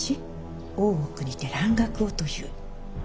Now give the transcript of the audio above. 大奥にて蘭学をという。